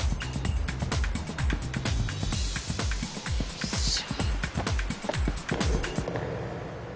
よっしゃ。